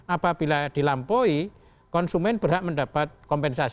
apabila dilampaui konsumen berhak mendapatkannya